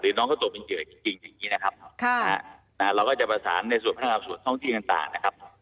หรือน้องเขาตัวเป็นเจริญจริงจริงนะครับเราก็จะประสานในส่วนพัฒนาการส่วนท้องที่ต่างนะครับ